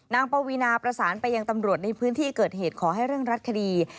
ปวีนาประสานไปยังตำรวจในพื้นที่เกิดเหตุขอให้เร่งรัดคดี